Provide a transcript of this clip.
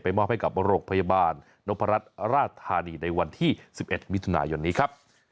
ไปมอบให้กับโรคพยาบาลนพรัฐราชธารีย์ในวันที่๑๑วิทยาลัยย่อนนี้ครับ